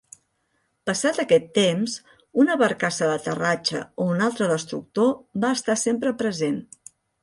Passat aquest temps, una barcassa d'aterratge o un altre destructor va estar sempre present.